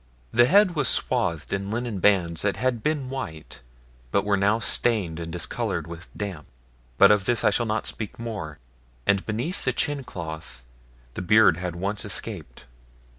The head was swathed in linen bands that had been white, but were now stained and discoloured with damp, but of this I shall not speak more, and beneath the chin cloth the beard had once escaped.